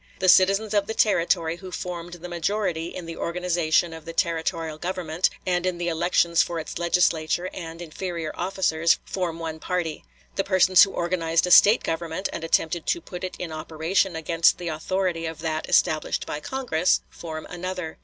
The citizens of the Territory who formed the majority in the organization of the territorial government, and in the elections for its Legislature and inferior officers, form one party. The persons who organized a State government, and attempted to put it in operation against the authority of that established by Congress, form another.